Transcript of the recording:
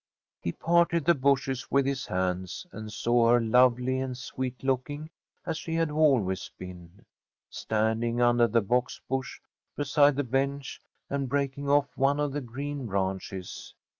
He parted the bushes with his hands, and saw her lovely and sweet looking as she had always been, standing under the box bush beside the bench, and breaking off one of the green branches.